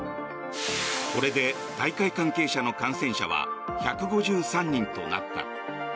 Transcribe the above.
これで大会関係者の感染者は１５３人となった。